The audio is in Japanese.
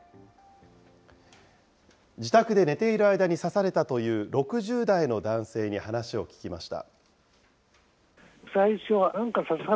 自宅で寝ている間に刺されたという、６０代の男性に話を聞きました。